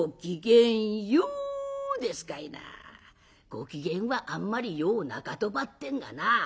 ご機嫌はあんまりようなかとばってんがなあ」。